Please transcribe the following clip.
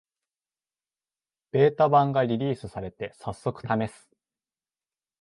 ベータ版がリリースされて、さっそくためす